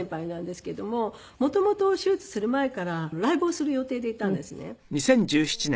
元々手術する前からライブをする予定でいたんですね。